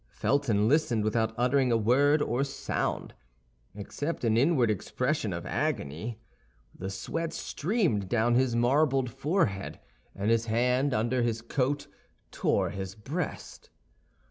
Felton listened without uttering any word or sound, except an inward expression of agony. The sweat streamed down his marble forehead, and his hand, under his coat, tore his breast.